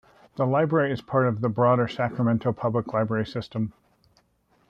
The library is part of the broader Sacramento Public Library system.